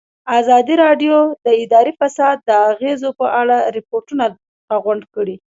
ازادي راډیو د اداري فساد د اغېزو په اړه ریپوټونه راغونډ کړي.